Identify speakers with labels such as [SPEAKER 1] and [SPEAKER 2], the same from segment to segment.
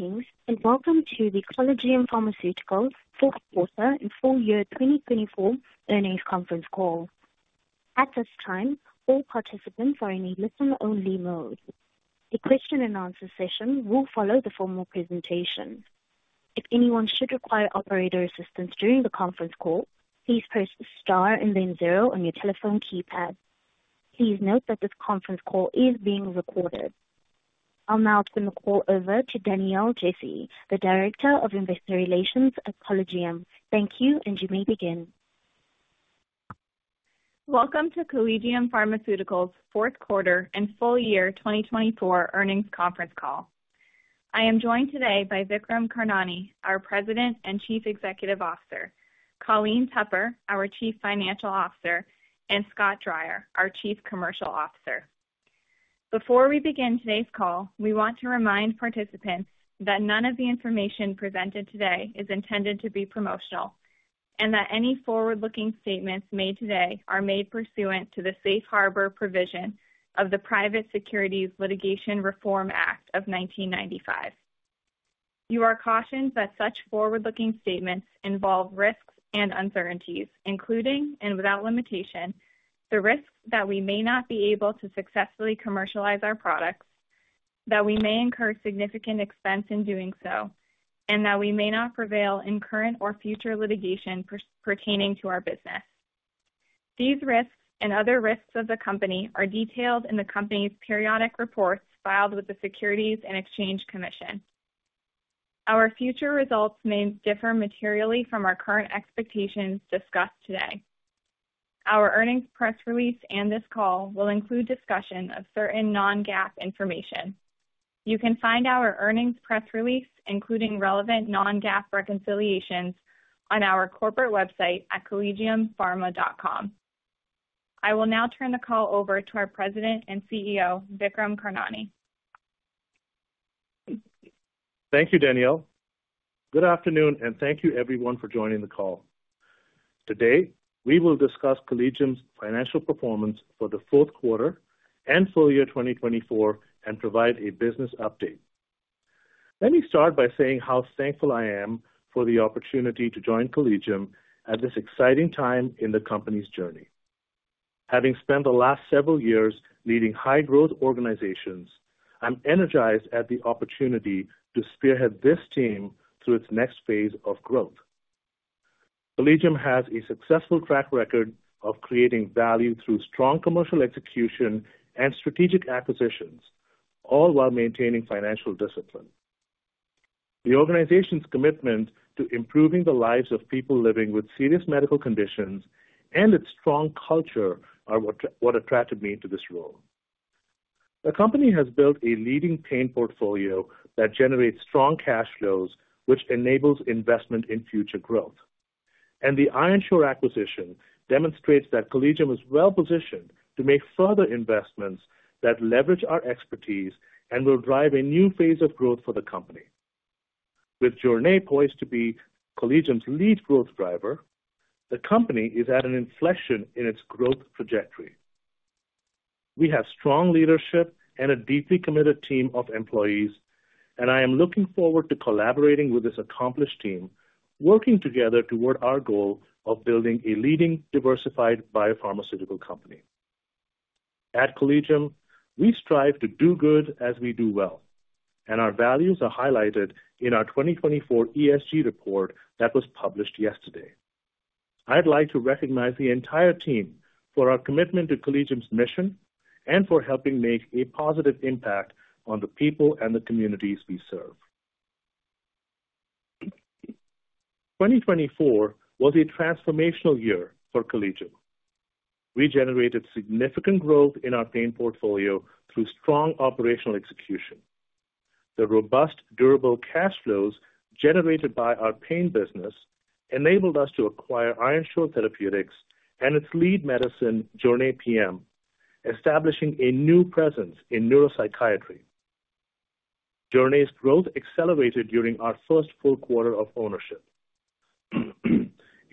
[SPEAKER 1] Greetings and welcome to the Collegium Pharmaceutical fourth quarter and full year 2024 earnings conference call. At this time, all participants are in a listen-only mode. The question-and-answer session will follow the formal presentation. If anyone should require operator assistance during the conference call, please press the star and then zero on your telephone keypad. Please note that this conference call is being recorded. I'll now turn the call over to Danielle Jesse, the Director of Investor Relations at Collegium. Thank you, and you may begin.
[SPEAKER 2] Welcome to Collegium Pharmaceutical's fourth quarter and full year 2024 earnings conference call. I am joined today by Vikram Karnani, our President and Chief Executive Officer; Colleen Tupper, our Chief Financial Officer; and Scott Dreyer, our Chief Commercial Officer. Before we begin today's call, we want to remind participants that none of the information presented today is intended to be promotional and that any forward-looking statements made today are made pursuant to the safe harbor provision of the Private Securities Litigation Reform Act of 1995. You are cautioned that such forward-looking statements involve risks and uncertainties, including and without limitation, the risks that we may not be able to successfully commercialize our products, that we may incur significant expense in doing so, and that we may not prevail in current or future litigation pertaining to our business. These risks and other risks of the company are detailed in the company's periodic reports filed with the Securities and Exchange Commission. Our future results may differ materially from our current expectations discussed today. Our earnings press release and this call will include discussion of certain non-GAAP information. You can find our earnings press release, including relevant non-GAAP reconciliations, on our corporate website at collegiumpharma.com. I will now turn the call over to our President and CEO, Vikram Karnani.
[SPEAKER 3] Thank you, Danielle. Good afternoon, and thank you, everyone, for joining the call. Today, we will discuss Collegium's financial performance for the fourth quarter and full year 2024 and provide a business update. Let me start by saying how thankful I am for the opportunity to join Collegium at this exciting time in the company's journey. Having spent the last several years leading high-growth organizations, I'm energized at the opportunity to spearhead this team through its next phase of growth. Collegium has a successful track record of creating value through strong commercial execution and strategic acquisitions, all while maintaining financial discipline. The organization's commitment to improving the lives of people living with serious medical conditions and its strong culture are what attracted me to this role. The company has built a leading pain portfolio that generates strong cash flows, which enables investment in future growth. The Ironshore acquisition demonstrates that Collegium is well-positioned to make further investments that leverage our expertise and will drive a new phase of growth for the company. With Journe PM poised to be Collegium's lead growth driver, the company is at an inflection in its growth trajectory. We have strong leadership and a deeply committed team of employees, and I am looking forward to collaborating with this accomplished team, working together toward our goal of building a leading, diversified biopharmaceutical company. At Collegium, we strive to do good as we do well, and our values are highlighted in our 2024 ESG report that was published yesterday. I'd like to recognize the entire team for our commitment to Collegium's mission and for helping make a positive impact on the people and the communities we serve. 2024 was a transformational year for Collegium. We generated significant growth in our pain portfolio through strong operational execution. The robust, durable cash flows generated by our pain business enabled us to acquire Ironshore Therapeutics and its lead medicine, Jornay PM, establishing a new presence in neuropsychiatry. Jornay's growth accelerated during our first full quarter of ownership.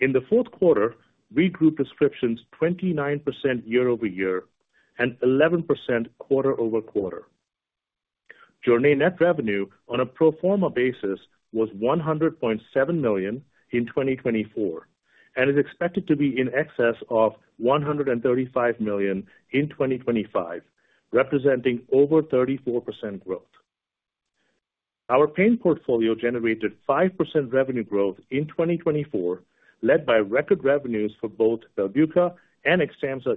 [SPEAKER 3] In the fourth quarter, we grew prescriptions 29% year-over year and 11% quarter over quarter. Jornay net revenue, on a pro forma basis, was $100.7 million in 2024 and is expected to be in excess of $135 million in 2025, representing over 34% growth. Our pain portfolio generated 5% revenue growth in 2024, led by record revenues for both Belbuca and Xtampza.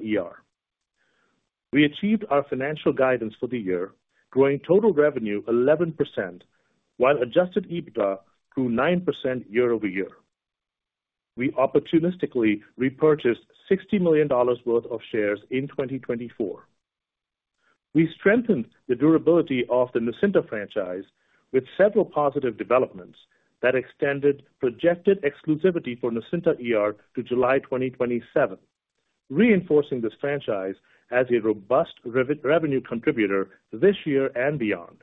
[SPEAKER 3] We achieved our financial guidance for the year, growing total revenue 11% while adjusted EBITDA grew 9% year-over-year. We opportunistically repurchased $60 million worth of shares in 2024. We strengthened the durability of the Nucynta franchise with several positive developments that extended projected exclusivity for Nucynta to July 2027, reinforcing this franchise as a robust revenue contributor this year and beyond.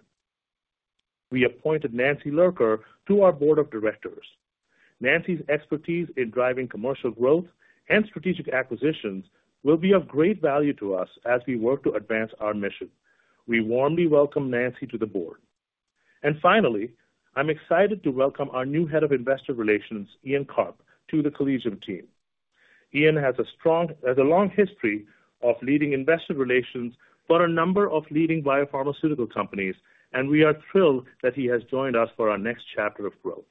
[SPEAKER 3] We appointed Nancy Lurker to our board of directors. Nancy's expertise in driving commercial growth and strategic acquisitions will be of great value to us as we work to advance our mission. We warmly welcome Nancy to the board. I am excited to welcome our new Head of Investor Relations, Ian Karp, to the Collegium team. Ian has a long history of leading investor relations for a number of leading biopharmaceutical companies, and we are thrilled that he has joined us for our next chapter of growth.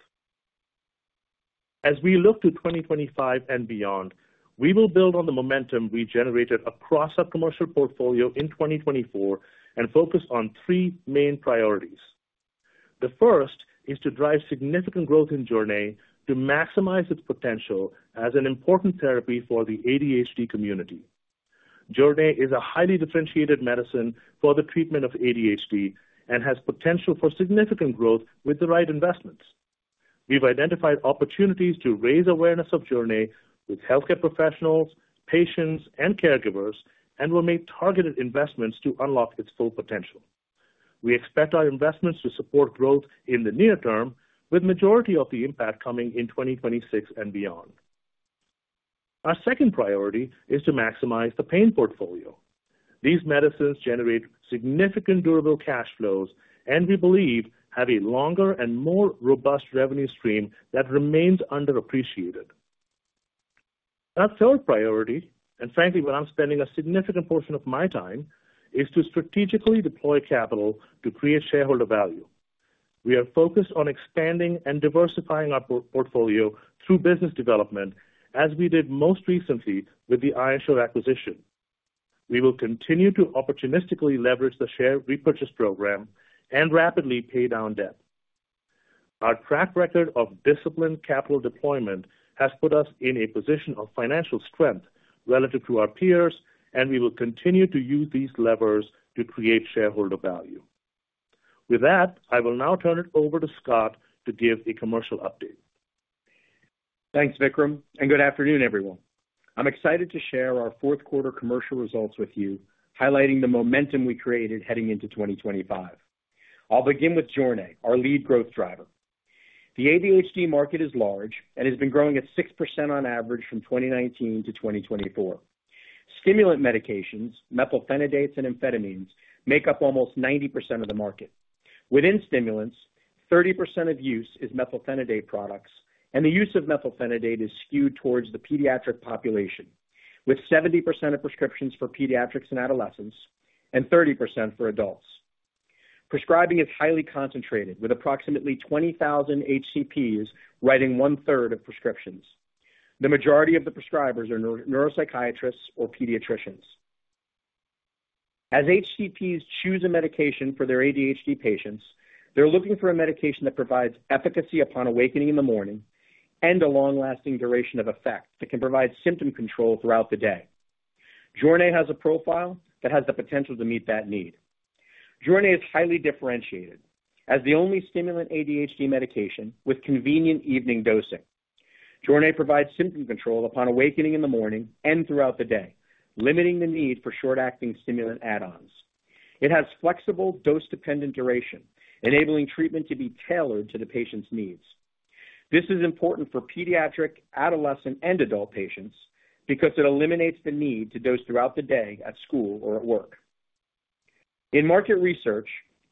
[SPEAKER 3] As we look to 2025 and beyond, we will build on the momentum we generated across our commercial portfolio in 2024 and focus on three main priorities. The first is to drive significant growth in Jornay PM to maximize its potential as an important therapy for the ADHD community. Jornay PM is a highly differentiated medicine for the treatment of ADHD and has potential for significant growth with the right investments. We've identified opportunities to raise awareness of Jornay PM with healthcare professionals, patients, and caregivers, and will make targeted investments to unlock its full potential. We expect our investments to support growth in the near term, with the majority of the impact coming in 2026 and beyond. Our second priority is to maximize the pain portfolio. These medicines generate significant durable cash flows and we believe have a longer and more robust revenue stream that remains underappreciated. Our third priority, and frankly, what I'm spending a significant portion of my time, is to strategically deploy capital to create shareholder value. We are focused on expanding and diversifying our portfolio through business development, as we did most recently with the Ironshore acquisition. We will continue to opportunistically leverage the share repurchase program and rapidly pay down debt. Our track record of disciplined capital deployment has put us in a position of financial strength relative to our peers, and we will continue to use these levers to create shareholder value. With that, I will now turn it over to Scott to give a commercial update.
[SPEAKER 4] Thanks, Vikram, and good afternoon, everyone. I'm excited to share our fourth quarter commercial results with you, highlighting the momentum we created heading into 2025. I'll begin with Journe, our lead growth driver. The ADHD market is large and has been growing at 6% on average from 2019 to 2024. Stimulant medications, methylphenidates, and amphetamines make up almost 90% of the market. Within stimulants, 30% of use is methylphenidate products, and the use of methylphenidate is skewed towards the pediatric population, with 70% of prescriptions for pediatrics and adolescents and 30% for adults. Prescribing is highly concentrated, with approximately 20,000 HCPs writing one-third of prescriptions. The majority of the prescribers are neuropsychiatrists or pediatricians. As HCPs choose a medication for their ADHD patients, they're looking for a medication that provides efficacy upon awakening in the morning and a long-lasting duration of effect that can provide symptom control throughout the day. PM has a profile that has the potential to meet that need. Jornay PM is highly differentiated as the only stimulant ADHD medication with convenient evening dosing. Jornay PM provides symptom control upon awakening in the morning and throughout the day, limiting the need for short-acting stimulant add-ons. It has flexible dose-dependent duration, enabling treatment to be tailored to the patient's needs. This is important for pediatric, adolescent, and adult patients because it eliminates the need to dose throughout the day at school or at work. In market research,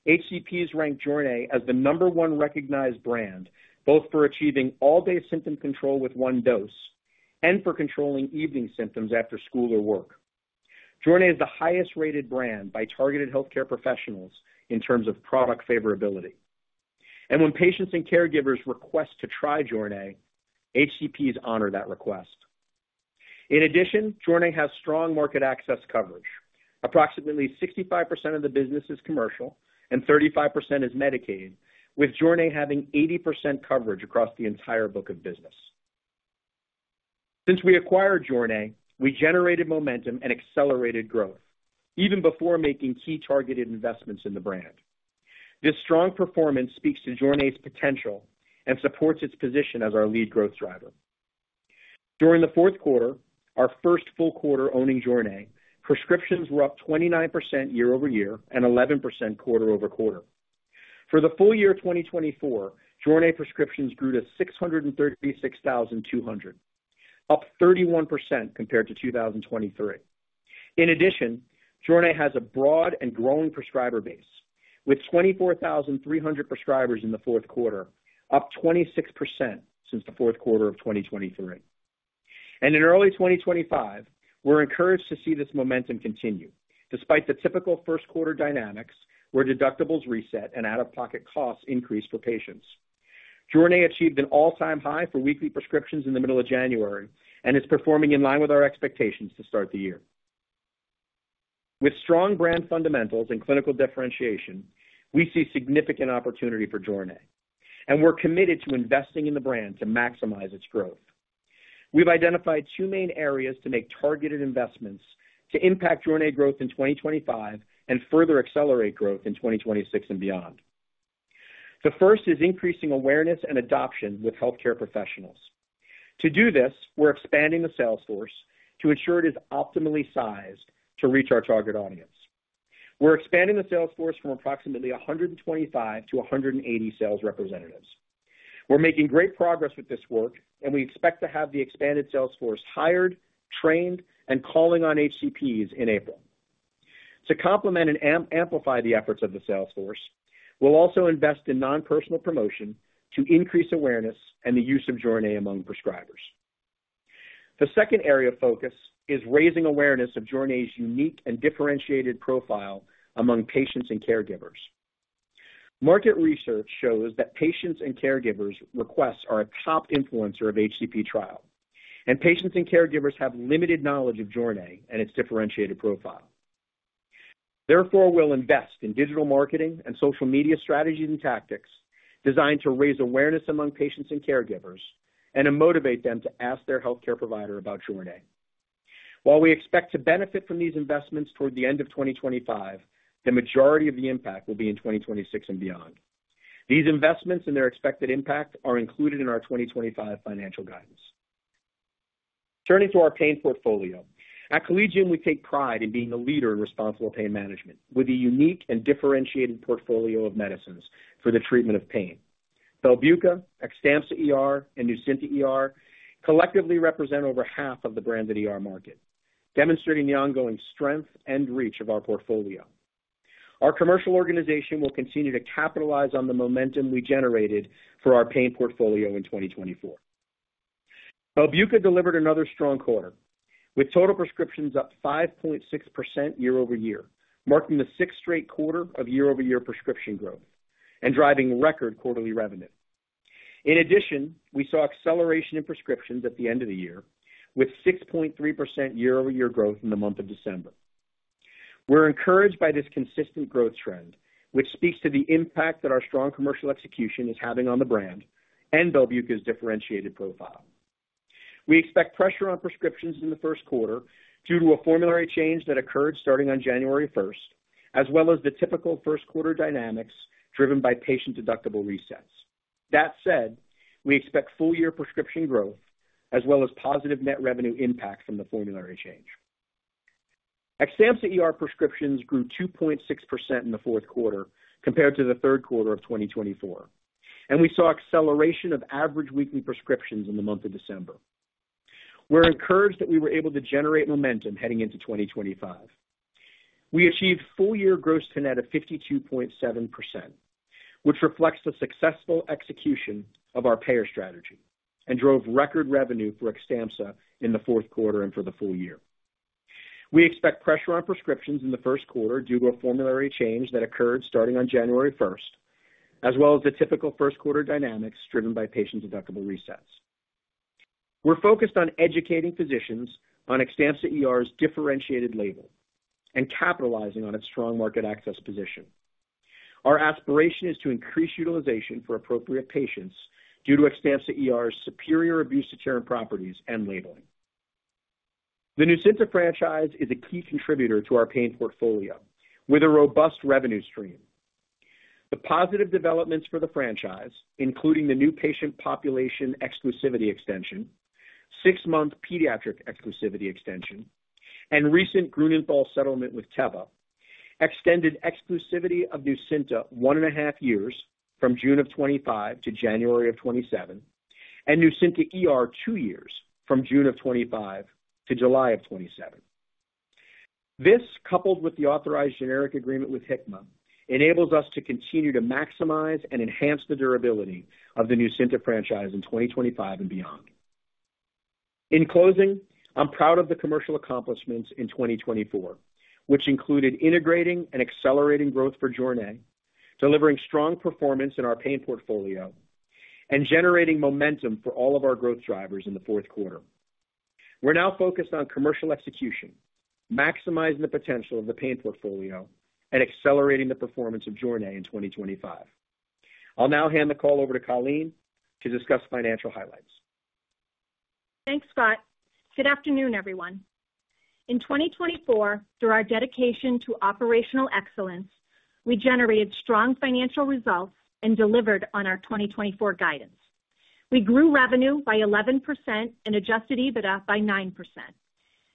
[SPEAKER 4] HCPs rank Jornay PM as the number one recognized brand, both for achieving all-day symptom control with one dose and for controlling evening symptoms after school or work. Jornay PM is the highest-rated brand by targeted healthcare professionals in terms of product favorability. When patients and caregivers request to try Jornay PM, HCPs honor that request. In addition, Jornay PM has strong market access coverage. Approximately 65% of the business is commercial, and 35% is Medicaid, with Journe PM having 80% coverage across the entire book of business. Since we acquired Journe PM, we generated momentum and accelerated growth, even before making key targeted investments in the brand. This strong performance speaks to Journe PM's potential and supports its position as our lead growth driver. During the fourth quarter, our first full quarter owning Journe PM, prescriptions were up 29% year-over-year and 11% quarter over quarter. For the full year 2024, Journe PM prescriptions grew to 636,200, up 31% compared to 2023. In addition, Journe PM has a broad and growing prescriber base, with 24,300 prescribers in the fourth quarter, up 26% since the fourth quarter of 2023. In early 2025, we are encouraged to see this momentum continue. Despite the typical first quarter dynamics, where deductibles reset and out-of-pocket costs increased for patients, Journe PM achieved an all-time high for weekly prescriptions in the middle of January and is performing in line with our expectations to start the year. With strong brand fundamentals and clinical differentiation, we see significant opportunity for Journe PM, and we're committed to investing in the brand to maximize its growth. We've identified two main areas to make targeted investments to impact Journe PM growth in 2025 and further accelerate growth in 2026 and beyond. The first is increasing awareness and adoption with healthcare professionals. To do this, we're expanding the sales force to ensure it is optimally sized to reach our target audience. We're expanding the sales force from approximately 125 to 180 sales representatives. We're making great progress with this work, and we expect to have the expanded sales force hired, trained, and calling on HCPs in April. To complement and amplify the efforts of the sales force, we'll also invest in non-personal promotion to increase awareness and the use of Jornay PM among prescribers. The second area of focus is raising awareness of Jornay PM's unique and differentiated profile among patients and caregivers. Market research shows that patients' and caregivers' requests are a top influencer of HCP trial, and patients and caregivers have limited knowledge of Jornay PM and its differentiated profile. Therefore, we'll invest in digital marketing and social media strategies and tactics designed to raise awareness among patients and caregivers and motivate them to ask their healthcare provider about Jornay PM. While we expect to benefit from these investments toward the end of 2025, the majority of the impact will be in 2026 and beyond. These investments and their expected impact are included in our 2025 financial guidance. Turning to our pain portfolio, at Collegium, we take pride in being a leader in responsible pain management with a unique and differentiated portfolio of medicines for the treatment of pain. Belbuca, Xtampza and Nucynta collectively represent over half of the branded market, demonstrating the ongoing strength and reach of our portfolio. Our commercial organization will continue to capitalize on the momentum we generated for our pain portfolio in 2024. Belbuca delivered another strong quarter, with total prescriptions up 5.6% year-over-year, marking the sixth straight quarter of year-over-year prescription growth and driving record quarterly revenue. In addition, we saw acceleration in prescriptions at the end of the year, with 6.3% year-over-year growth in the month of December. We're encouraged by this consistent growth trend, which speaks to the impact that our strong commercial execution is having on the brand and Belbuca's differentiated profile. We expect pressure on prescriptions in the first quarter due to a formulary change that occurred starting on January 1, as well as the typical first quarter dynamics driven by patient deductible resets. That said, we expect full-year prescription growth, as well as positive net revenue impact from the formulary change. Xtampza prescriptions grew 2.6% in the fourth quarter compared to the third quarter of 2024, and we saw acceleration of average weekly prescriptions in the month of December. We're encouraged that we were able to generate momentum heading into 2025. We achieved full-year gross net of 52.7%, which reflects the successful execution of our payer strategy and drove record revenue for Xtampza in the fourth quarter and for the full year. We expect pressure on prescriptions in the first quarter due to a formulary change that occurred starting on January 1, as well as the typical first quarter dynamics driven by patient deductible resets. We're focused on educating physicians on Xtampza ER's differentiated label and capitalizing on its strong market access position. Our aspiration is to increase utilization for appropriate patients due to Xtampza ER's superior abuse deterrent properties and labeling. The Nucynta franchise is a key contributor to our pain portfolio with a robust revenue stream. The positive developments for the franchise, including the new patient population exclusivity extension, six-month pediatric exclusivity extension, and recent Grünenthal settlement with Teva, extended exclusivity of Nucynta one and a half years from June of 2025 to January of 2027, and Nucynta two years from June of 2025 to July of 2027. This, coupled with the authorized generic agreement with Hickman, enables us to continue to maximize and enhance the durability of the Nucynta franchise in 2025 and beyond. In closing, I'm proud of the commercial accomplishments in 2024, which included integrating and accelerating growth for Jornay, delivering strong performance in our pain portfolio, and generating momentum for all of our growth drivers in the fourth quarter. We're now focused on commercial execution, maximizing the potential of the pain portfolio, and accelerating the performance of Jornay in 2025. I'll now hand the call over to Colleen to discuss financial highlights.
[SPEAKER 5] Thanks, Scott. Good afternoon, everyone. In 2024, through our dedication to operational excellence, we generated strong financial results and delivered on our 2024 guidance. We grew revenue by 11% and adjusted EBITDA by 9%,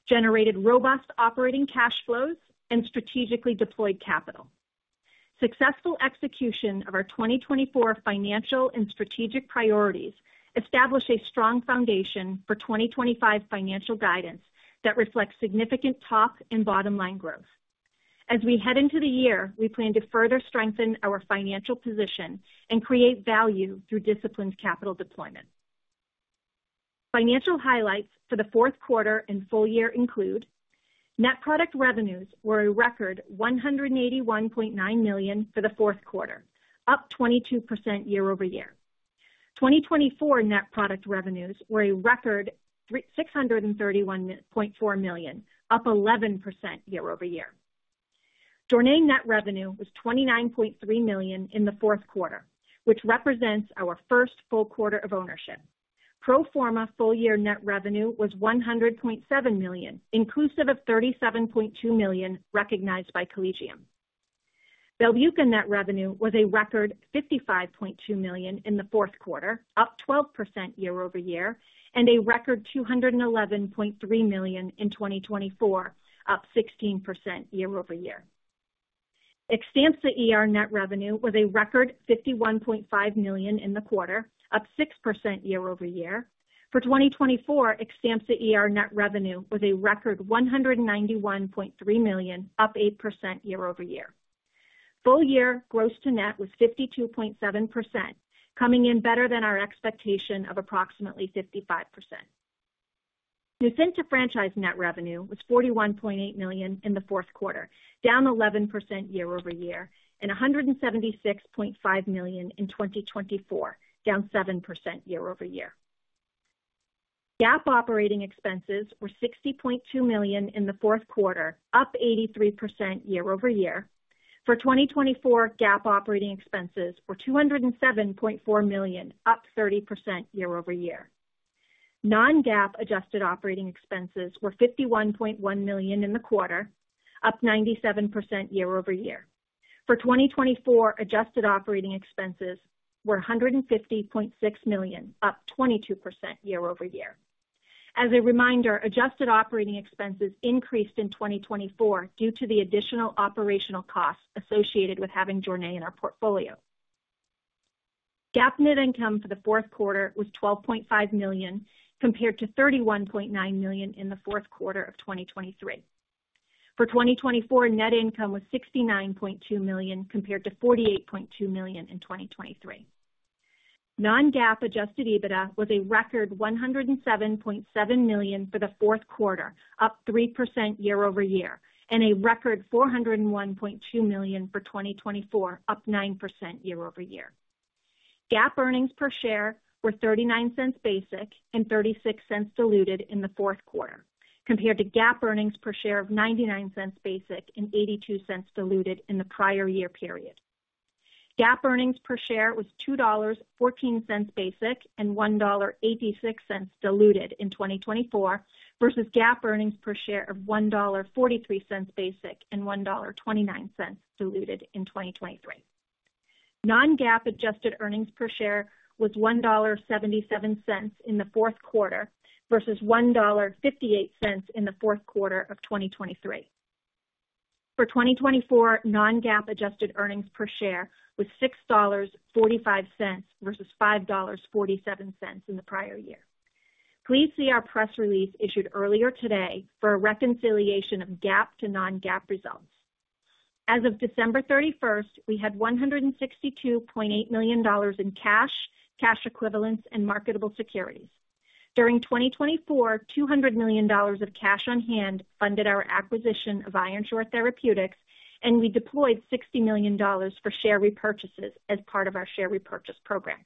[SPEAKER 5] generated robust operating cash flows, and strategically deployed capital. Successful execution of our 2024 financial and strategic priorities established a strong foundation for 2025 financial guidance that reflects significant top and bottom-line growth. As we head into the year, we plan to further strengthen our financial position and create value through disciplined capital deployment. Financial highlights for the fourth quarter and full year include net product revenues were a record $181.9 million for the fourth quarter, up 22% year-over-year. 2024 net product revenues were a record $631.4 million, up 11% year-over-year. Jornay net revenue was $29.3 million in the fourth quarter, which represents our first full quarter of ownership. Pro forma full-year net revenue was $100.7 million, inclusive of $37.2 million recognized by Collegium. Belbuca net revenue was a record $55.2 million in the fourth quarter, up 12% year-over-year, and a record $211.3 million in 2024, up 16% year-over-year. Xtampza net revenue was a record $51.5 million in the quarter, up 6% year-over-year. For 2024, Xtampza net revenue was a record $191.3 million, up 8% year-over-year. Full-year gross to net was 52.7%, coming in better than our expectation of approximately 55%. Nucynta franchise net revenue was $41.8 million in the fourth quarter, down 11% year-over-year, and $176.5 million in 2024, down 7% year-over-year. GAAP operating expenses were $60.2 million in the fourth quarter, up 83% year-over-year. For 2024, GAAP operating expenses were $207.4 million, up 30% year-over-year. Non-GAAP adjusted operating expenses were $51.1 million in the quarter, up 97% year-over-year. For 2024, adjusted operating expenses were $150.6 million, up 22% year-over-year. As a reminder, adjusted operating expenses increased in 2024 due to the additional operational costs associated with having Journe PM in our portfolio. GAAP net income for the fourth quarter was $12.5 million compared to $31.9 million in the fourth quarter of 2023. For 2024, net income was $69.2 million compared to $48.2 million in 2023. Non-GAAP adjusted EBITDA was a record $107.7 million for the fourth quarter, up 3% year-over-year, and a record $401.2 million for 2024, up 9% year-over-year. GAAP earnings per share were $0.39 basic and $0.36 diluted in the fourth quarter, compared to GAAP earnings per share of $0.99 basic and $0.82 diluted in the prior year period. GAAP earnings per share was $2.14 basic and $1.86 diluted in 2024 versus GAAP earnings per share of $1.43 basic and $1.29 diluted in 2023. Non-GAAP adjusted earnings per share was $1.77 in the fourth quarter versus $1.58 in the fourth quarter of 2023. For 2024, non-GAAP adjusted earnings per share was $6.45 versus $5.47 in the prior year. Please see our press release issued earlier today for a reconciliation of GAAP to non-GAAP results. As of December 31st, we had $162.8 million in cash, cash equivalents, and marketable securities. During 2024, $200 million of cash on hand funded our acquisition of Ironshore Therapeutics, and we deployed $60 million for share repurchases as part of our share repurchase program.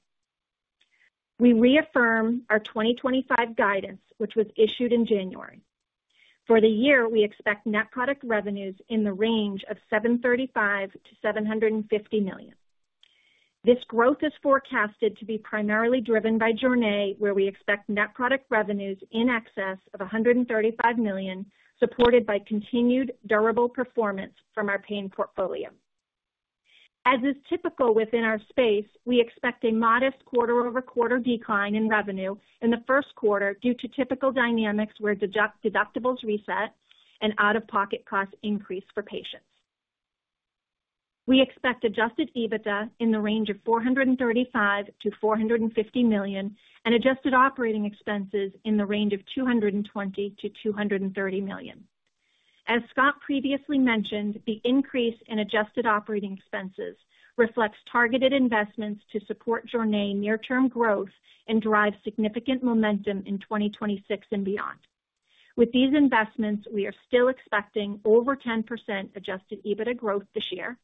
[SPEAKER 5] We reaffirm our 2025 guidance, which was issued in January. For the year, we expect net product revenues in the range of $735 million-$750 million. This growth is forecasted to be primarily driven by Journe PM, where we expect net product revenues in excess of $135 million, supported by continued durable performance from our pain portfolio. As is typical within our space, we expect a modest quarter-over-quarter decline in revenue in the first quarter due to typical dynamics where deductibles reset and out-of-pocket costs increase for patients. We expect adjusted EBITDA in the range of $435 million-$450 million and adjusted operating expenses in the range of $220 million-$230 million. As Scott previously mentioned, the increase in adjusted operating expenses reflects targeted investments to support Journe PM near-term growth and drive significant momentum in 2026 and beyond. With these investments, we are still expecting over 10% adjusted EBITDA growth this year,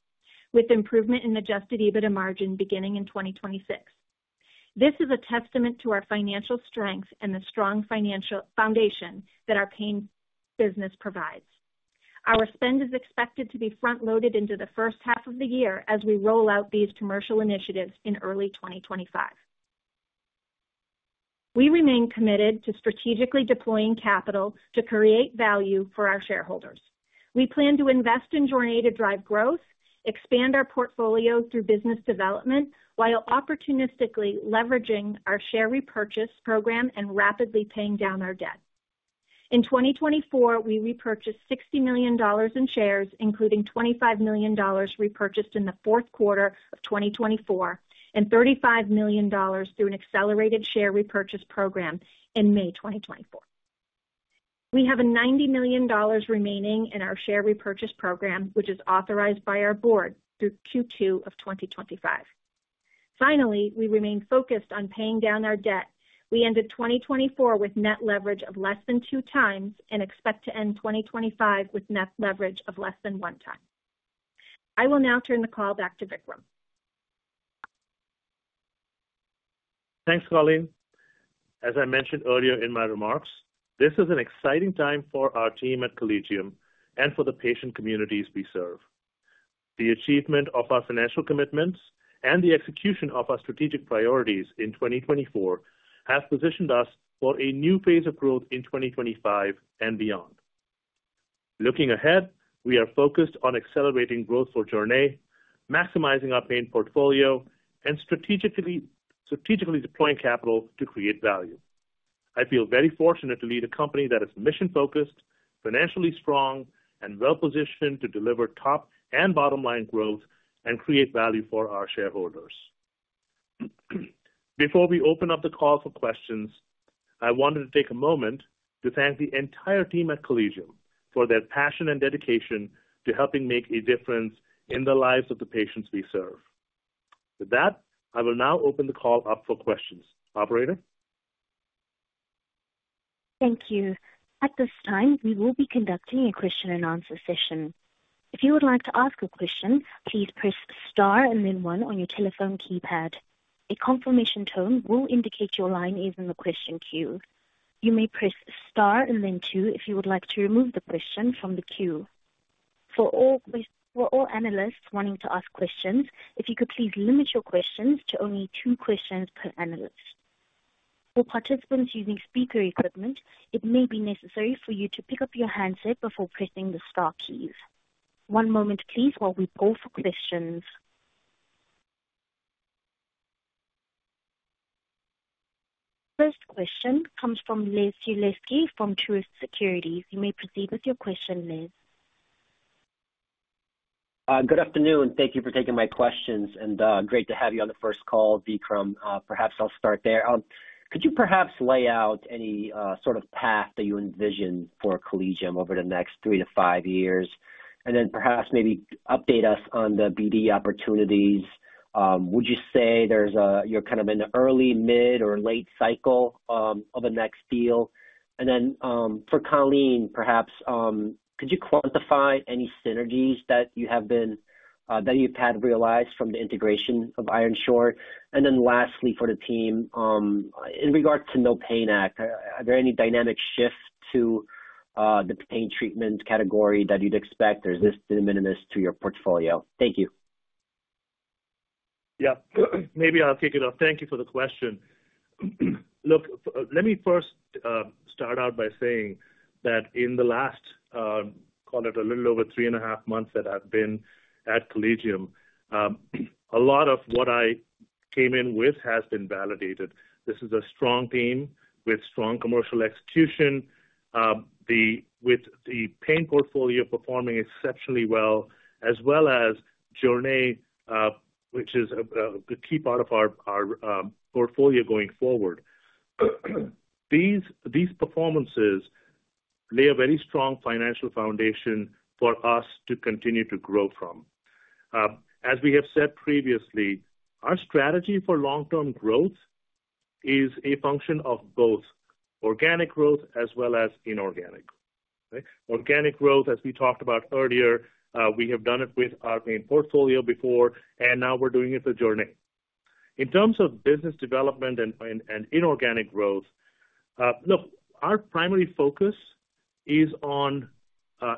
[SPEAKER 5] with improvement in adjusted EBITDA margin beginning in 2026. This is a testament to our financial strength and the strong financial foundation that our pain business provides. Our spend is expected to be front-loaded into the first half of the year as we roll out these commercial initiatives in early 2025. We remain committed to strategically deploying capital to create value for our shareholders. We plan to invest in Jornay to drive growth, expand our portfolio through business development, while opportunistically leveraging our share repurchase program and rapidly paying down our debt. In 2024, we repurchased $60 million in shares, including $25 million repurchased in the fourth quarter of 2024 and $35 million through an accelerated share repurchase program in May 2024. We have $90 million remaining in our share repurchase program, which is authorized by our board through Q2 of 2025. Finally, we remain focused on paying down our debt. We ended 2024 with net leverage of less than two times and expect to end 2025 with net leverage of less than one time. I will now turn the call back to Vikram.
[SPEAKER 3] Thanks, Colleen. As I mentioned earlier in my remarks, this is an exciting time for our team at Collegium and for the patient communities we serve. The achievement of our financial commitments and the execution of our strategic priorities in 2024 have positioned us for a new phase of growth in 2025 and beyond. Looking ahead, we are focused on accelerating growth for Journe, maximizing our pain portfolio, and strategically deploying capital to create value. I feel very fortunate to lead a company that is mission-focused, financially strong, and well-positioned to deliver top and bottom-line growth and create value for our shareholders. Before we open up the call for questions, I wanted to take a moment to thank the entire team at Collegium for their passion and dedication to helping make a difference in the lives of the patients we serve. With that, I will now open the call up for questions. Operator.
[SPEAKER 1] Thank you. At this time, we will be conducting a question-and-answer session. If you would like to ask a question, please press Star and then 1 on your telephone keypad. A confirmation tone will indicate your line is in the question queue. You may press Star and then 2 if you would like to remove the question from the queue. For all analysts wanting to ask questions, if you could please limit your questions to only two questions per analyst. For participants using speaker equipment, it may be necessary for you to pick up your handset before pressing the Star keys. One moment, please, while we pull for questions. First question comes from Les Sulewski from Truist Security. You may proceed with your question, Liz.
[SPEAKER 6] Good afternoon. Thank you for taking my questions, and great to have you on the first call, Vikram. Perhaps I'll start there. Could you perhaps lay out any sort of path that you envision for Collegium over the next three to five years, and then perhaps maybe update us on the BD opportunities? Would you say you're kind of in the early, mid, or late cycle of a next deal? For Colleen, perhaps could you quantify any synergies that you have been—that you've had realized from the integration of Ironshore? Lastly, for the team, in regards to No Pain Act, are there any dynamic shifts to the pain treatment category that you'd expect, or is this de minimis to your portfolio? Thank you.
[SPEAKER 3] Yeah. Maybe I'll kick it off. Thank you for the question. Look, let me first start out by saying that in the last, call it a little over three and a half months that I've been at Collegium, a lot of what I came in with has been validated. This is a strong team with strong commercial execution, with the pain portfolio performing exceptionally well, as well as Journey, which is a key part of our portfolio going forward. These performances lay a very strong financial foundation for us to continue to grow from. As we have said previously, our strategy for long-term growth is a function of both organic growth as well as inorganic. Organic growth, as we talked about earlier, we have done it with our pain portfolio before, and now we're doing it with Journey. In terms of business development and inorganic growth, look, our primary focus is on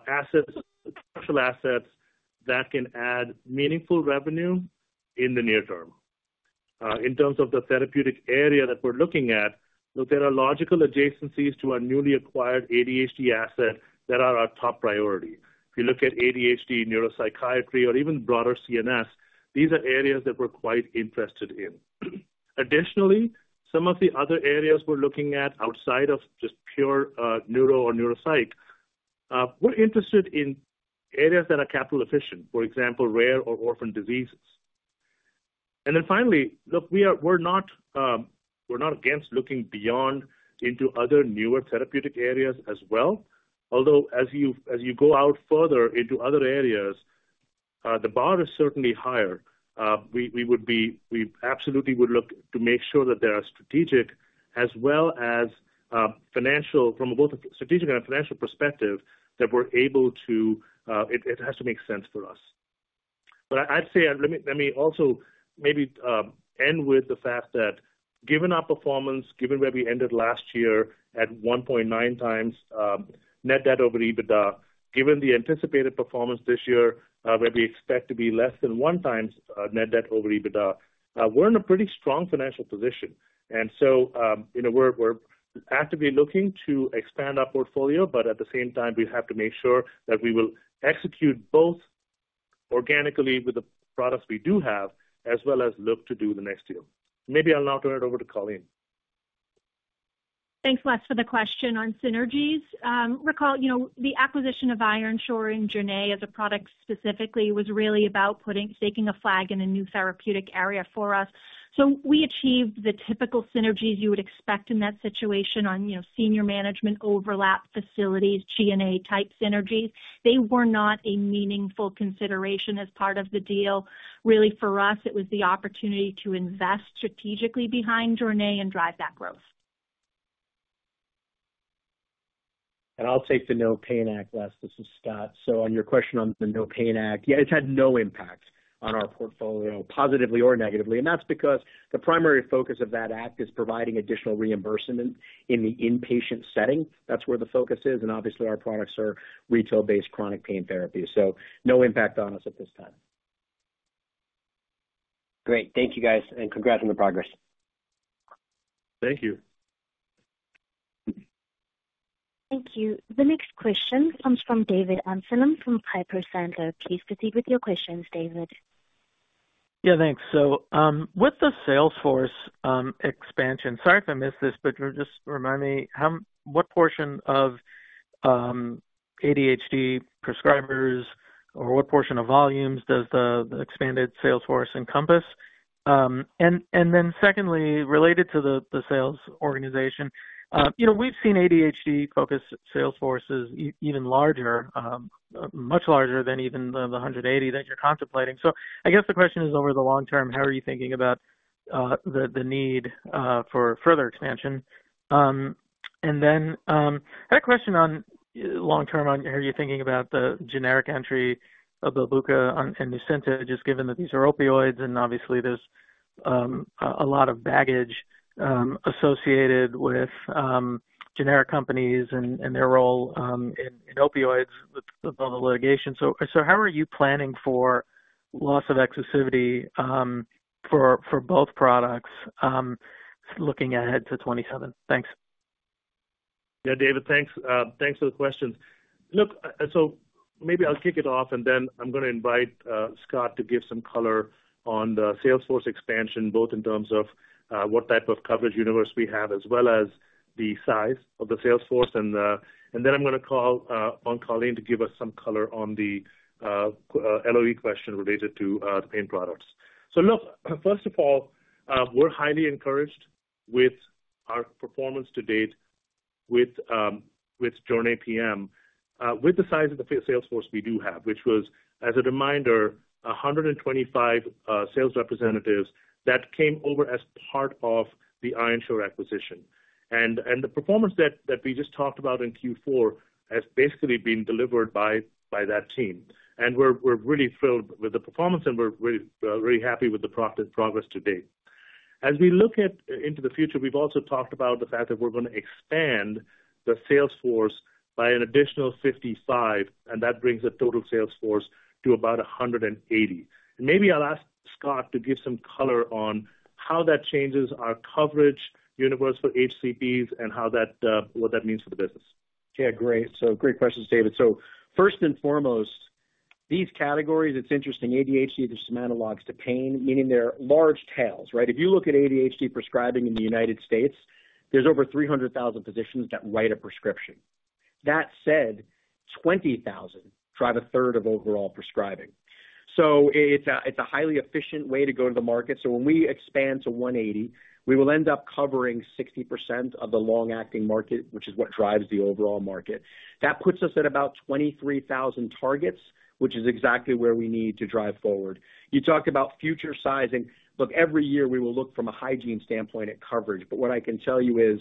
[SPEAKER 3] assets, structural assets that can add meaningful revenue in the near term. In terms of the therapeutic area that we're looking at, look, there are logical adjacencies to our newly acquired ADHD asset that are our top priority. If you look at ADHD, neuropsychiatry, or even broader CNS, these are areas that we're quite interested in. Additionally, some of the other areas we're looking at outside of just pure neuro or neuropsych, we're interested in areas that are capital-efficient, for example, rare or orphan diseases. Finally, look, we're not against looking beyond into other newer therapeutic areas as well. Although, as you go out further into other areas, the bar is certainly higher. We absolutely would look to make sure that there are strategic as well as financial, from both a strategic and a financial perspective, that we're able to—it has to make sense for us. I'd say, let me also maybe end with the fact that, given our performance, given where we ended last year at 1.9 times net debt over EBITDA, given the anticipated performance this year, where we expect to be less than one times net debt over EBITDA, we're in a pretty strong financial position. We are actively looking to expand our portfolio, but at the same time, we have to make sure that we will execute both organically with the products we do have, as well as look to do the next deal. Maybe I'll now turn it over to Colleen.
[SPEAKER 5] Thanks, Wes, for the question on synergies. Recall, the acquisition of Ironshore and Journe PM as a product specifically was really about staking a flag in a new therapeutic area for us. We achieved the typical synergies you would expect in that situation on senior management overlap, facilities, G&A-type synergies. They were not a meaningful consideration as part of the deal. Really, for us, it was the opportunity to invest strategically behind Journe PM and drive that growth.
[SPEAKER 4] I'll take the No Pain Act, Wes. This is Scott. On your question on the No Pain Act, yeah, it's had no impact on our portfolio, positively or negatively. That's because the primary focus of that act is providing additional reimbursement in the inpatient setting. That's where the focus is. Obviously, our products are retail-based chronic pain therapy. No impact on us at this time.
[SPEAKER 6] Great. Thank you, guys. Congrats on the progress.
[SPEAKER 3] Thank you.
[SPEAKER 1] Thank you. The next question comes from David Amse from Piper Sandler. Please proceed with your questions, David.
[SPEAKER 7] Yeah, thanks. With the Salesforce expansion, sorry if I missed this, but just remind me, what portion of ADHD prescribers or what portion of volumes does the expanded Salesforce encompass? Secondly, related to the sales organization, we've seen ADHD-focused Salesforces even larger, much larger than even the 180 that you're contemplating. I guess the question is, over the long term, how are you thinking about the need for further expansion? I had a question on long term on how you're thinking about the generic entry of Belbuca and Nucynta, just given that these are opioids and obviously there's a lot of baggage associated with generic companies and their role in opioids with all the litigation. How are you planning for loss of exclusivity for both products looking ahead to 2027? Thanks.
[SPEAKER 3] Yeah, David, thanks. Thanks for the questions. Look, maybe I'll kick it off, and then I'm going to invite Scott to give some color on the Salesforce expansion, both in terms of what type of coverage universe we have, as well as the size of the Salesforce. I'm going to call on Colleen to give us some color on the LOE question related to the pain products. First of all, we're highly encouraged with our performance to date with Journe PM, with the size of the Salesforce we do have, which was, as a reminder, 125 sales representatives that came over as part of the Ironshore acquisition. The performance that we just talked about in Q4 has basically been delivered by that team. We're really thrilled with the performance, and we're really happy with the progress to date. As we look into the future, we've also talked about the fact that we're going to expand the Salesforce by an additional 55, and that brings the total Salesforce to about 180. Maybe I'll ask Scott to give some color on how that changes our coverage universe for HCPs and what that means for the business.
[SPEAKER 4] Yeah, great. Great questions, David. First and foremost, these categories, it's interesting, ADHD, there's some analogs to pain, meaning they're large tails, right? If you look at ADHD prescribing in the United States, there's over 300,000 physicians that write a prescription. That said, 20,000 drive a third of overall prescribing. It's a highly efficient way to go to the market. When we expand to 180, we will end up covering 60% of the long-acting market, which is what drives the overall market. That puts us at about 23,000 targets, which is exactly where we need to drive forward. You talked about future sizing. Look, every year we will look from a hygiene standpoint at coverage. What I can tell you is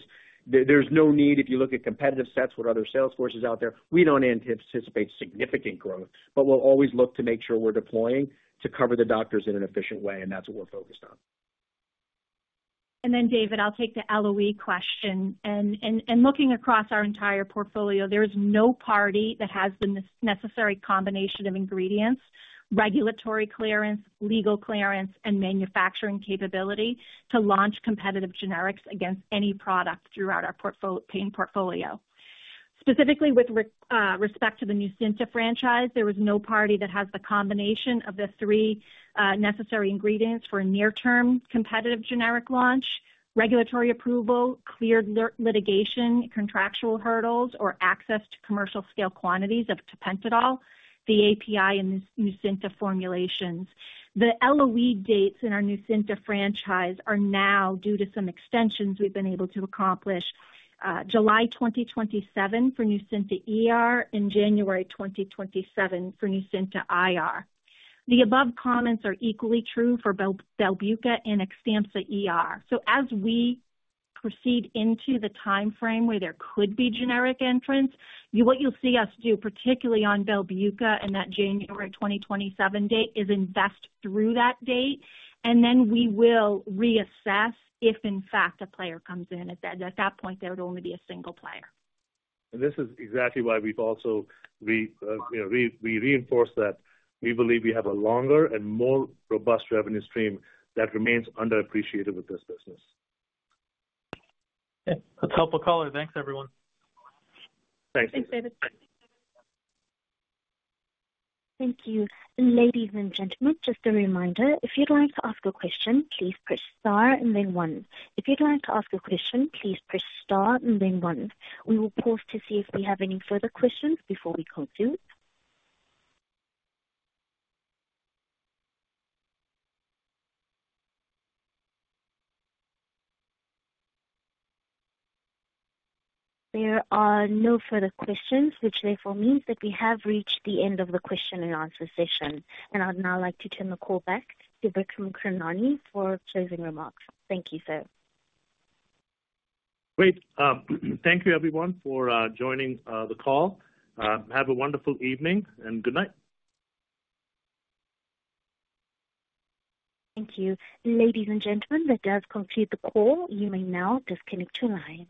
[SPEAKER 4] there's no need, if you look at competitive sets, what other Salesforce is out there, we don't anticipate significant growth, but we'll always look to make sure we're deploying to cover the doctors in an efficient way, and that's what we're focused on.
[SPEAKER 5] David, I'll take the LOE question. Looking across our entire portfolio, there is no party that has the necessary combination of ingredients: regulatory clearance, legal clearance, and manufacturing capability to launch competitive generics against any product throughout our pain portfolio. Specifically, with respect to the Nucynta franchise, there is no party that has the combination of the three necessary ingredients for a near-term competitive generic launch: regulatory approval, cleared litigation, contractual hurdles, or access to commercial-scale quantities of tapentadol, the API, and Nucynta formulations. The LOE dates in our Nucynta franchise are now due to some extensions we've been able to accomplish: July 2027 for Nucynta and January 2027 for Nucynta IR. The above comments are equally true for Belbuca and Xtampza. As we proceed into the timeframe where there could be generic entrants, what you'll see us do, particularly on Belbuca and that January 2027 date, is invest through that date. Then we will reassess if, in fact, a player comes in. At that point, there would only be a single player.
[SPEAKER 3] This is exactly why we've also reinforced that we believe we have a longer and more robust revenue stream that remains underappreciated with this business.
[SPEAKER 7] Okay. That's helpful color. Thanks, everyone.
[SPEAKER 3] Thanks.
[SPEAKER 5] Thanks, David.
[SPEAKER 1] Thank you. Ladies and gentlemen, just a reminder, if you'd like to ask a question, please press Star and then one. If you'd like to ask a question, please press Star and then one. We will pause to see if we have any further questions before we continue. There are no further questions, which therefore means that we have reached the end of the question and answer session. I would now like to turn the call back to Vikram Karnani for closing remarks. Thank you, sir.
[SPEAKER 3] Great. Thank you, everyone, for joining the call. Have a wonderful evening and good night.
[SPEAKER 1] Thank you. Ladies and gentlemen, that does conclude the call. You may now disconnect your line.